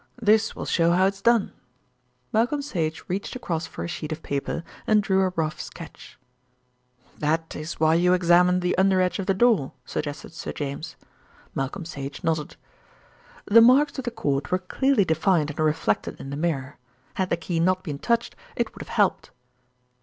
This will show how it's done." Malcolm Sage reached across for a sheet of paper, and drew a rough sketch. "That is why you examined the under edge of the door?" suggested Sir James. Malcolm Sage nodded. "The marks of the cord were clearly defined and reflected in the mirror. Had the key not been touched, it would have helped."